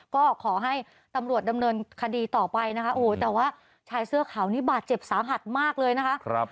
ก็ขอให้ตำรวจดำเนินคดีต่อไปนะคะโอ้โหแต่ว่าชายเสื้อขาวนี่บาดเจ็บสาหัสมากเลยนะคะ